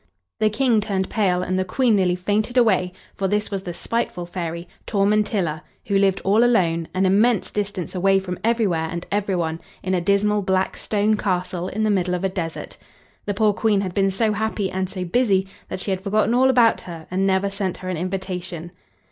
The King turned pale, and the Queen nearly fainted away, for this was the spiteful fairy Tormentilla, who lived all alone, an immense distance away from everywhere and everyone, in a dismal black stone castle in the middle of a desert. The poor Queen had been so happy and so busy that she had forgotten all about her, and never sent her an invitation.